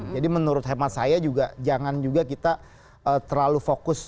jadi menurut hemat saya juga jangan juga kita terlalu fokus